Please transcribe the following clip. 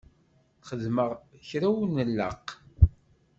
Xedmeɣ kra ur nlaq?